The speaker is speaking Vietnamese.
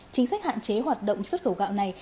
chính sách hạn chế hoạt động xuất khẩu gạo này